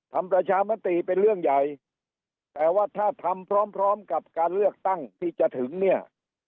ทำประชามติเป็นเรื่องใหญ่แต่ว่าถ้าทำพร้อมพร้อมกับการเลือกตั้งที่จะถึงเนี่ย